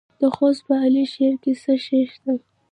د خوست په علي شیر کې څه شی شته؟